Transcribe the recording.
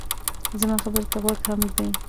زما خبرې ته غوږ هم ږدې